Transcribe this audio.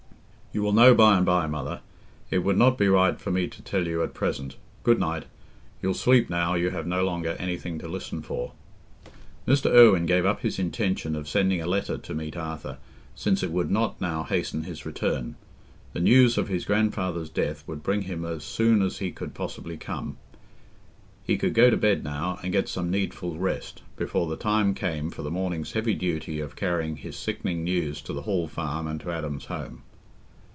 "You will know by and by, mother. It would not be right for me to tell you at present. Good night: you'll sleep now you have no longer anything to listen for." Mr. Irwine gave up his intention of sending a letter to meet Arthur, since it would not now hasten his return: the news of his grandfather's death would bring him as soon as he could possibly come. He could go to bed now and get some needful rest, before the time came for the morning's heavy duty of carrying his sickening news to the Hall Farm and to Adam's home.